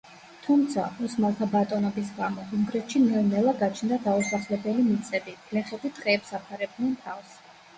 თუმცა, ოსმალთა ბატონობის გამო, უნგრეთში ნელ-ნელა გაჩნდა დაუსახლებელი მიწები, გლეხები ტყეებს აფარებდნენ თავს.